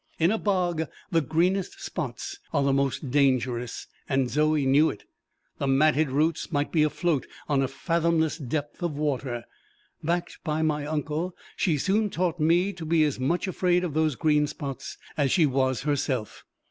In a bog the greenest spots are the most dangerous, and Zoe knew it: the matted roots might be afloat on a fathomless depth of water. Backed by my uncle, she soon taught me to be as much afraid of those green spots as she was herself.